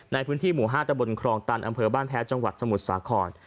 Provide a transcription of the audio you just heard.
ในพื้นที่หมู่๕ตะบนครองตันอำเภอบ้านแพ้จังหวัดสมุทรสาคร